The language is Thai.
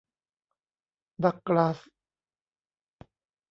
ดักลาส